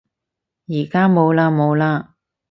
而家冇嘞冇嘞